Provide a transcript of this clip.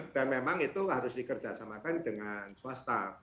dan memang itu harus dikerjasamakan dengan swasta